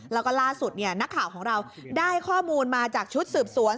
แล้วก็ล่าสุดนักข่าวของเราได้ข้อมูลมาจากชุดสืบสวน